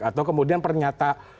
atau kemudian pernyataan